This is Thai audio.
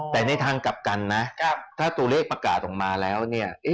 แต่ในทางกลับกันนะถ้าตัวเลขประกาศออกมาแล้วเนี่ย